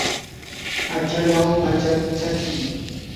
achalaw pachak chaki.